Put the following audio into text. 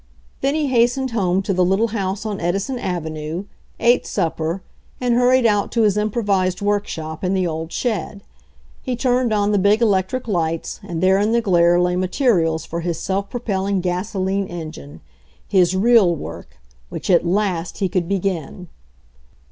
Then he hastened home to the little house on Edison avenue, ate supper and hurried out to his improvised workshop in the old shed. He turned on the big electric lights and there in the glare lay materials for his self propelling gasoline engine — his real work, which at last he could be gin!